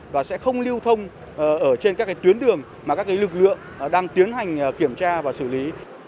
và sẽ không lưu thông ở trên các tuyến đường mà các lực lượng đang tiến hành kiểm tra và xử lý